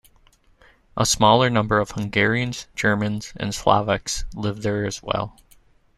A smaller number of Hungarians, Germans and Slovaks lived there as well.